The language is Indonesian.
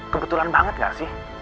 kebetulan banget nggak sih